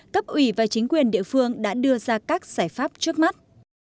cấp ủy và chính quyền địa phương đã đưa ra các giải pháp trước mắt